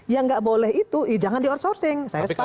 yang nggak boleh itu jangan di outsourcing saya sampaikan